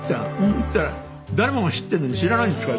そしたら「誰もが知っているのに知らないんですか？」